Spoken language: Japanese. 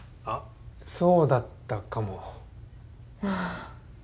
あっそうだったかも。はあ。